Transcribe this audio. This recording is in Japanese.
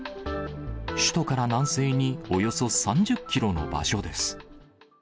首都から南西におよそ３０キロの場所です。